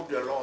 abah apa sih